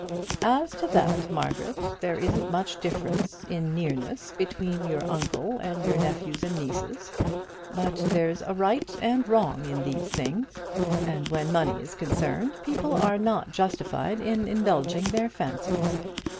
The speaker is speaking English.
"As to that, Margaret, there isn't much difference in nearness between your uncle and your nephews and nieces. But there's a right and a wrong in these things, and when money is concerned, people are not justified in indulging their fancies.